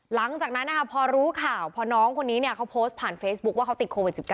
หลังจากนั้นพอรู้ข่าวพอน้องคนนี้เขาโพสต์ผ่านเฟซบุ๊คว่าเขาติดโควิด๑๙